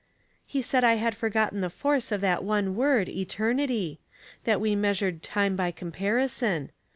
" He said I had forgotten the force of that one word ' eternity ;' that we measured time by comparison.